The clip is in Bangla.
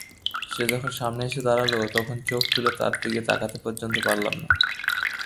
সে যখন সামনে এসে দাঁড়াল তখন চোখ তুলে তার দিকে তাকাতে পর্যন্ত পারলাম না।